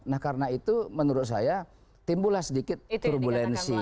nah karena itu menurut saya timbulah sedikit turbulensi